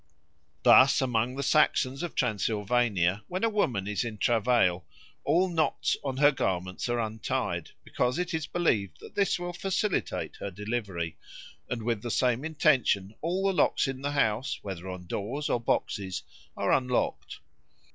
Thus among the Saxons of Transylvania, when a woman is in travail all knots on her garments are untied, because it is believed that this will facilitate her delivery, and with the same intention all the locks in the house, whether on doors or boxes, are unlocked.